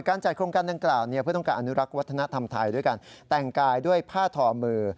จัดโครงการดังกล่าวเพื่อต้องการอนุรักษ์วัฒนธรรมไทยด้วยการแต่งกายด้วยผ้าทอมือ